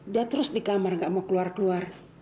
dia terus di kamar gak mau keluar keluar